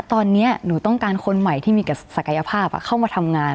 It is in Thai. ตอนนี้หนูต้องการคนใหม่ที่มีศักยภาพเข้ามาทำงาน